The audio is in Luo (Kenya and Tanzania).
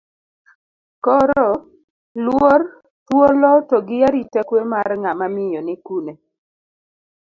Koro, luor, thuolo to gi arita kwe mar ng'ama miyo ni kune?